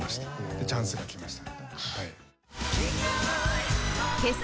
でチャンスがきました。